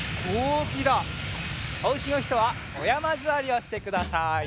おうちのひとはおやまずわりをしてください。